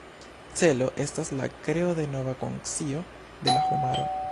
Celo estas la kreo de nova konscio de la homaro.